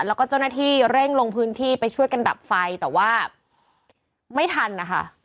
แล้วก็เจ้าหน้าที่เร่งลงพื้นที่ไปช่วยกันดับไฟแต่ว่าไม่ทันนะคะ